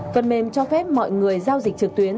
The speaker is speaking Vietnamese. phần mềm cho phép mọi người giao dịch trực tuyến